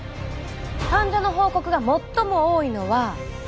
患者の報告が最も多いのは。